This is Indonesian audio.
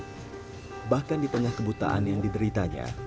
bahkan di tengah kebutaan yang dideritanya